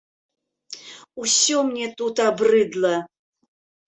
Усё мне тут абрыдла!